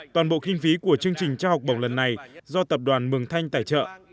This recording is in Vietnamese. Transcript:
toàn bộ kinh phí của chương trình trao học bổng lần này do tập đoàn mường thanh tài trợ